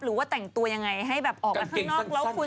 หรือว่าแต่งตัวยังไงให้แบบออกมาข้างนอก